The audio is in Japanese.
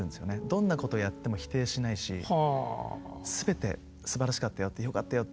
どんなことをやっても否定しないしすべてすばらしかったよよかったよ